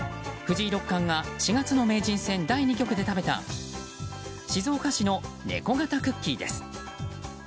藤井六冠が４月の名人戦第２局で食べた静岡市の猫形クッキーです。